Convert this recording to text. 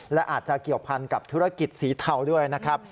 และอาจจะเกี่ยวพันกับธุรกิจสีเทาด้วยนะครับ